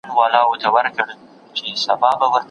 ما تېره شپه د هیواد په درد یو شعر ولیکی.